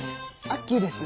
アッキーです。